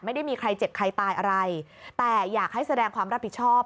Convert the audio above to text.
ไม่ได้มีใครเจ็บใครตายอะไรแต่อยากให้แสดงความรับผิดชอบ